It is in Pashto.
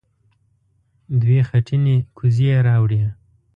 دوې خټينې کوزې يې راوړې.